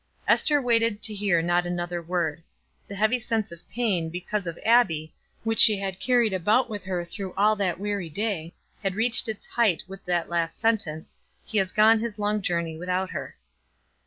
Ester waited to hear not another word. The heavy sense of pain because of Abbie, which she had carried about with her through all that weary day, had reached its height with that last sentence: "He has gone his long journey without her."